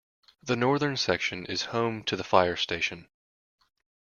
The northern section is home to the fire station.